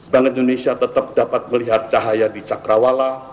bank indonesia tetap dapat melihat cahaya di cakrawala